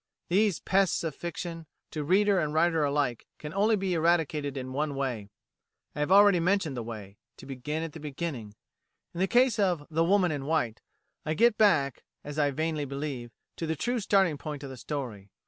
These pests of fiction, to reader and writer alike, can only be eradicated in one way. I have already mentioned the way to begin at the beginning. In the case of 'The Woman in White,' I get back, as I vainly believe, to the true starting point of the story.